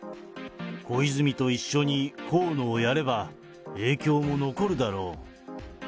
小泉と一緒に河野をやれば、影響も残るだろう。